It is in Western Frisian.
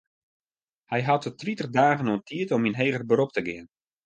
Hy hat it tritich dagen oan tiid om yn heger berop te gean.